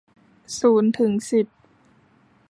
ศูนย์ถึงสิบ